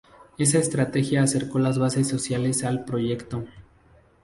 Esa estrategia acercó las bases sociales al Proyecto.